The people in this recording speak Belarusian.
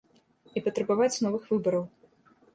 І патрабаваць новых выбараў.